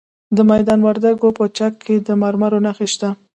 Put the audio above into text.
د میدان وردګو په چک کې د مرمرو نښې شته.